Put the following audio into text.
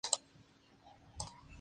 Cuenta con escuela, caseta comunal.